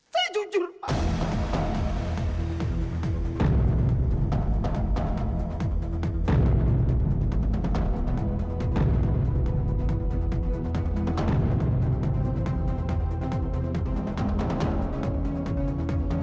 saya jujur pak